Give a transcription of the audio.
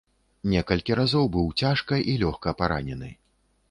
Некалькі разоў быў цяжка і лёгка паранены.